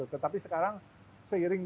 tetapi sekarang seiring